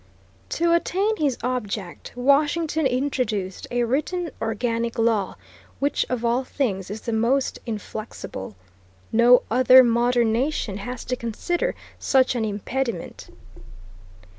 To attain his object, Washington introduced a written organic law, which of all things is the most inflexible. No other modern nation has to consider such an impediment.